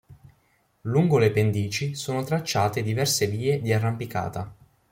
Lungo le pendici sono tracciate diverse vie di arrampicata.